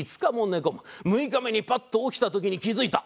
６日目にパッと起きた時に気付いた。